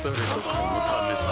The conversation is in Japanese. このためさ